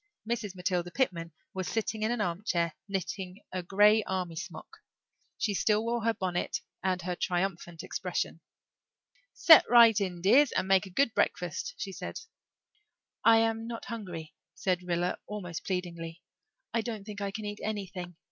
Mrs. Matilda Pitman was sitting in an armchair, knitting a grey army sock. She still wore her bonnet and her triumphant expression. "Set right in, dears, and make a good breakfast," she said. "I am not hungry," said Rilla almost pleadingly. "I don't think I can eat anything.